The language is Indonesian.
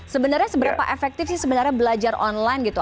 sebenarnya seberapa efektif sih sebenarnya belajar online gitu